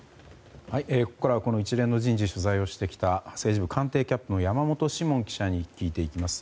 ここからは一連の人事取材をしてきた政治部官邸キャップの山本志門記者に聞いていきます。